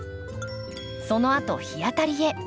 そのあと日当たりへ。